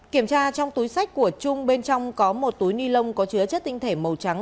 kiểm tra trong túi sách của trung bên trong có một túi ni lông có chứa chất tinh thể màu trắng